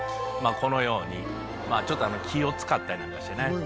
このように木を使ったりなんかしてね。